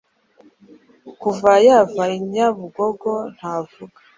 Kuva yava i Nyabugogo ntavuga